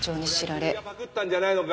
これは君がパクったんじゃないのか？